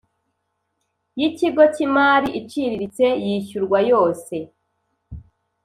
y ikigo cy imari iciriritse yishyurwa yose